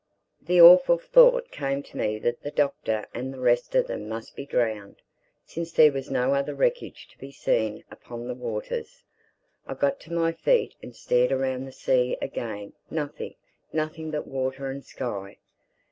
The awful thought came to me that the Doctor and the rest of them must be drowned, since there was no other wreckage to be seen upon the waters. I got to my feet and stared around the sea again—Nothing—nothing but water and sky!